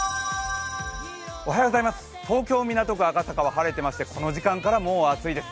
東京・港区赤坂は晴れていましてこの時間からもう暑いです。